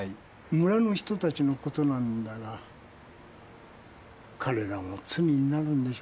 村の人たちのことなんだが彼らも罪になるんでしょうな？